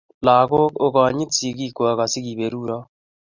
lagok okonit sigiikwok asi keberurok